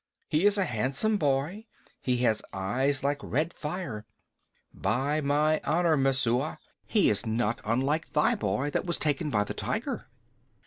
He is a handsome boy. He has eyes like red fire. By my honor, Messua, he is not unlike thy boy that was taken by the tiger."